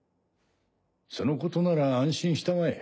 そのことなら安心したまえ。